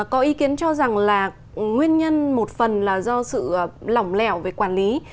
có ý kiến cho rằng là nguyên nhân một phần là do sự lỏng lẻo về quản lý